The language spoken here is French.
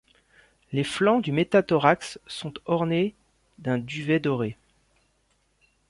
Les flancs du métathorax sont ornés d'un duvet doré.